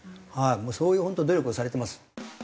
もうそういう本当に努力をされてます。